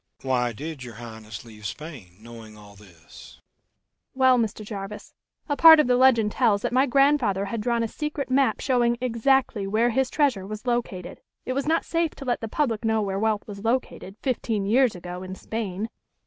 "Why did your Highness leave Spain, knowing all this?" "Well, Mr. Jarvis, a part of the legend tells that my grandfather had drawn a secret map showing exactly where his treasure was located. It was not safe to let the public know where wealth was located, fifteen years ago, in Spain."